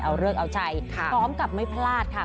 เอาเลิกเอาชัยพร้อมกับไม่พลาดค่ะ